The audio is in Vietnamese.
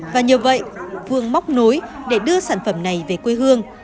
và nhiều vậy phương móc nối để đưa sản phẩm này về quê hương